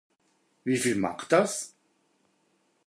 Wieviel macht das?